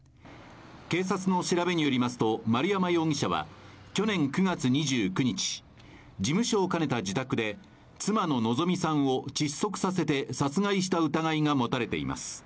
警察の調べによりますと丸山容疑者は去年９月２９日事務所を兼ねた自宅で妻の希美さんを窒息させて殺害した疑いが持たれています